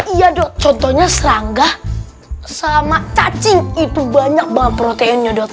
iya dot contohnya serangga sama cacing itu banyak banget proteinnya dot